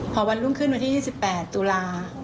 พอวันรุ่งขึ้นวันที่๒๘ตุลา